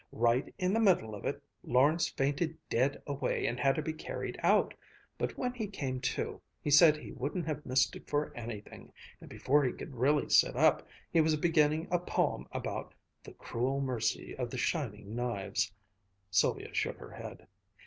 Right in the middle of it, Lawrence fainted dead away and had to be carried out. But when he came to, he said he wouldn't have missed it for anything, and before he could really sit up he was beginning a poem about the "cruel mercy of the shining knives."'" Sylvia shook her head.